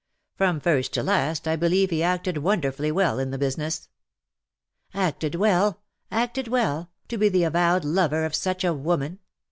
From first to last I believe he acted won derfully well in the business.'''' " Acted well !— acted well, to be the avowed lover of such a woman